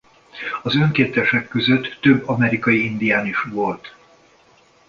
Az önkéntesek között több amerikai indián is volt.